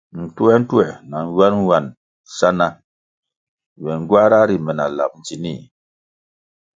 Ntuer-ntuer na nwan-nwan sa ná ywe ngywáhra ri me na lap ndzinih.